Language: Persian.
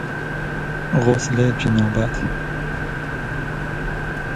غسل جنابت